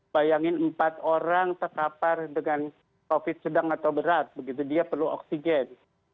bayangin empat orang terkapar dengan covid sedang atau berat begitu dia perlu oksigen